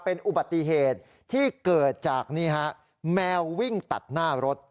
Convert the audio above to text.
เป็นอุบัติเหตุที่เกิดจากนี่ฮะแมววิ่งตัดหน้ารถ